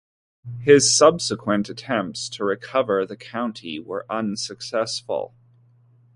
His subsequent attempts to recover the county were unsuccessful.